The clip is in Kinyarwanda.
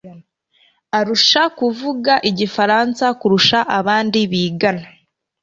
arusha kuvuga igifaransa kurusha abandi bigana.